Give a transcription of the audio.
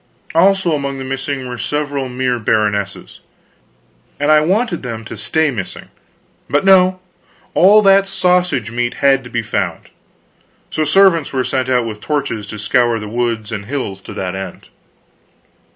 Also among the missing were several mere baronesses and I wanted them to stay missing; but no, all that sausage meat had to be found; so servants were sent out with torches to scour the woods and hills to that end.